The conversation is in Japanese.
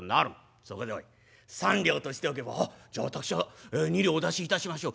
そこでおい３両としておけば『あっじゃあ私は２両お出しいたしましょう』